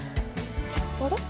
あれ？